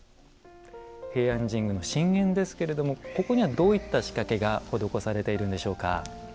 平安神宮の神苑ですけれどもここにはどういった仕掛けが施されているんでしょうか？